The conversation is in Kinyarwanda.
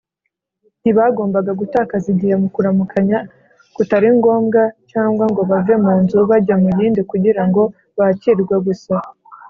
ntibagombaga gutakaza igihe mu kuramukanya kutari ngombwa, cyangwa ngo bave mu nzu bajya mu yindi kugira ngo bakirwe gusa